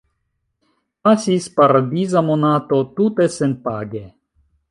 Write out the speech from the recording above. Pasis paradiza monato, tute senpage...